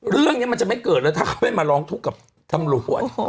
เรื่องนี้มันจะไม่เกิดแล้วถ้าเขาไม่มาร้องทุกข์กับตำรวจ